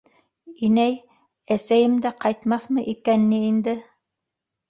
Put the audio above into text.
— Инәй, әсәйем дә ҡайтмаҫмы икән ни инде?